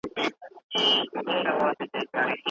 د بلبلکو له سېلونو به وي ساه ختلې